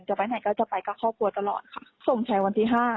จะไปไหนก็จะไปกับครอบครัวตลอดค่ะสงสัยวันที่ห้า